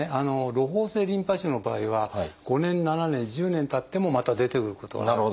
ろほう性リンパ腫の場合は５年７年１０年たってもまた出てくることがある。